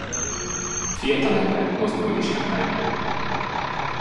A fiatalember mozdulni sem mer.